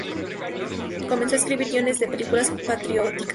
Comenzó a escribir guiones de películas patrióticas.